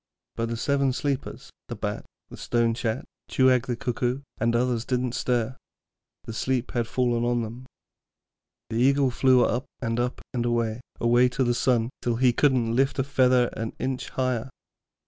But the Seven Sleepers, the Bat, the Stone chat, Cooag the Cuckoo, and the others, didn't stir the sleep had fallen on them. The Eagle flew up and up and away, away to the sun, till he couldn't lift a feather an inch higher.